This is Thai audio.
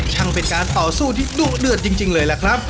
ช่างเป็นการต่อสู้ที่ดุ๊กดืดจริงเลยแหละครับ